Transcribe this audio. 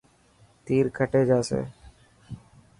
تير کٽي جاسي.